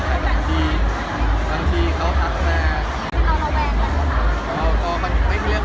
หลังจากนี้มันทำให้เราไม่กล้าคุยกับใครนะพี่โฟ๊ค